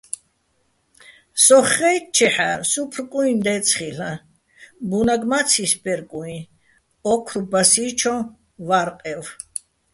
სოხ ხაჲტტჩეჰ̦ა́, სუფრ კუიჼ დე́წე ხილ'აჼ, ბუნაგ მა ცისბერ-კუჲჼ, ოქრბასიჩო̆ ვარყევ.